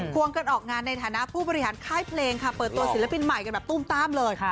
วงกันออกงานในฐานะผู้บริหารค่ายเพลงค่ะเปิดตัวศิลปินใหม่กันแบบตุ้มต้ามเลย